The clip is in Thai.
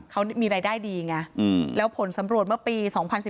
เขามีรายได้ดีไงแล้วผลสำรวจเมื่อปี๒๐๑๙